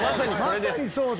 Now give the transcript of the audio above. まさにそうだ。